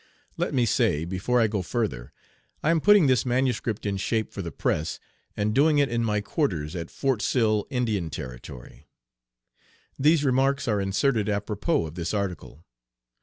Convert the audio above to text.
Let me say, before I go further, I am putting this manuscript in shape for the press, and doing it in my quarters at Fort Sill, I. T. These remarks are inserted apropos of this article.